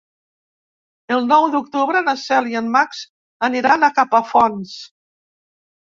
El nou d'octubre na Cel i en Max aniran a Capafonts.